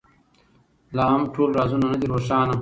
لا هم ټول رازونه نه دي روښانه.